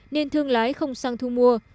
nên thương lái không sang thu mua